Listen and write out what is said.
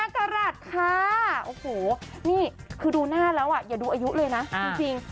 กรัฐค่ะโอ้โหนี่คือดูหน้าแล้วอย่าดูอายุเลยนะจริง